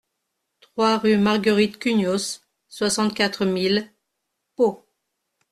trois rue Marguerite Cugnos, soixante-quatre mille Pau